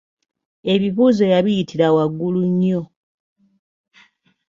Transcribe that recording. Ebibuuzo yabiyitira waggulu nnyo.